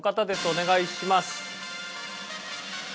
お願いします。